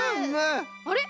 あれ？